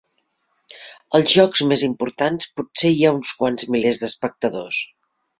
Als jocs més importants potser hi ha uns quants milers d'espectadors.